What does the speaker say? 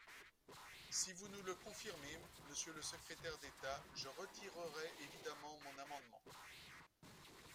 Si vous nous le confirmez, monsieur le secrétaire d’État, je retirerai évidemment mon amendement.